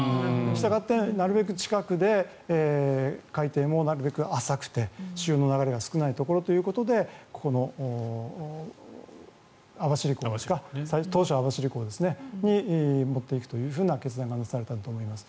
したがって、なるべく近くで海底もなるべく浅くて潮の流れが少ないところということで当初、網走港に持っていくという決断がなされたんだと思います。